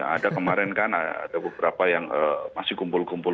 ada kemarin kan ada beberapa yang masih kumpul kumpul